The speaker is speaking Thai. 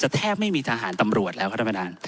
จะแทบไม่มีทหารตำรวจแล้วครับปะทาน